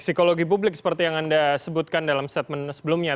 psikologi publik seperti yang anda sebutkan dalam statement sebelumnya